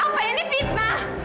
apa ini fitnah